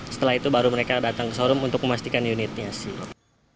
setelah itu baru mereka datang ke showroom untuk memastikan unitnya sih